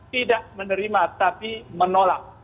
tidak menerima tapi menolak